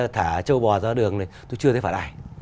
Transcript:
thả châu bò ra đường này tôi chưa thấy phạt ai